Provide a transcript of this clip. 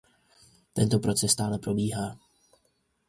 Tento proces stále probíhá.